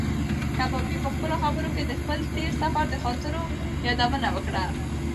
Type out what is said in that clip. کبابي په خپلو خبرو کې د خپل تېر سفر د خاطرو یادونه وکړه.